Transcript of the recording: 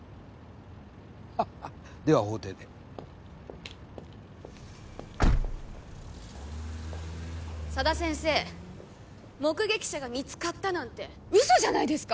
ハッハでは法廷で佐田先生目撃者が見つかったなんて嘘じゃないですか